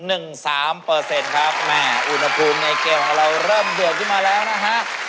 อุณหภูมิในเกมเราเริ่มเดือดที่มาแล้วนะฮะ